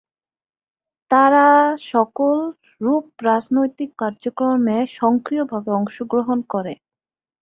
তারা সকল রূপ রাজনৈতিক কর্মকাণ্ডে সক্রিয়ভাবে অংশগ্রহণ করে।